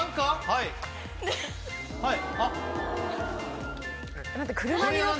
はい。